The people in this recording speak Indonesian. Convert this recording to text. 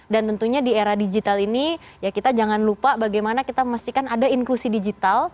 dan tentunya di era digital ini ya kita jangan lupa bagaimana kita memastikan ada inklusi digital